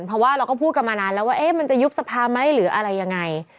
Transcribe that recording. เพราะว่าเราก็พูดกันมานานแล้วว่ามันจะยุบสภาไหมหรืออะไรยังไง